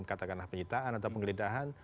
katakanlah penyitaan atau penggelidahan